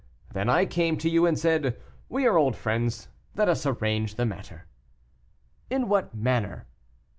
Then I came to you, and said, 'We are old friends; let us arrange the matter.'" "In what manner?"